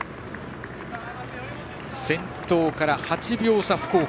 先頭から８秒差、福岡。